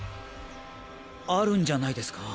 あるんじゃないですか？